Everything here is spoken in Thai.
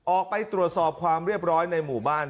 ออกไปตรวจสอบความเรียบร้อยในหมู่บ้าน